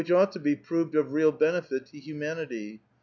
ought to he proveil of real benefit to humanity.